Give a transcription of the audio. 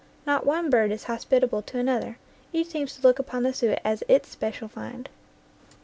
Not one bird is hospitable to another. Each seems to look upon the suet as its special find.